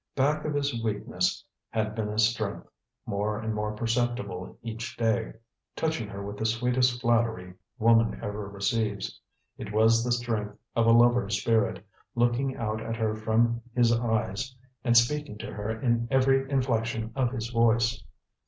Back of his weakness had been a strength, more and more perceptible each day, touching her with the sweetest flattery woman ever receives. It was the strength of a lover's spirit, looking out at her from his eyes and speaking to her in every inflection of his voice.